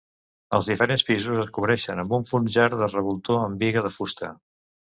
Els diferents pisos es cobreixen amb un forjat de revoltó amb biga de fusta.